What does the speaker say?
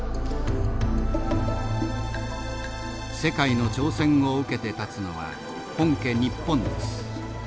世界の挑戦を受けて立つのは本家日本です。